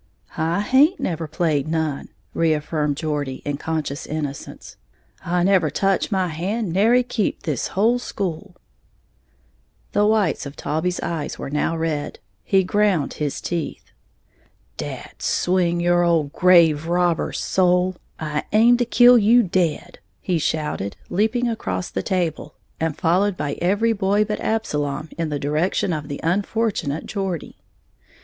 "I haint never played none," reaffirmed Geordie, in conscious innocence; "I never toch my hand to nary keep this whole school!" The whites of Taulbee's eyes were now red; he ground his teeth. "Dad swinge your ole grave robber soul, I aim to kill you dead," he shouted, leaping across the table, and followed by every boy but Absalom in the direction of the unfortunate Geordie.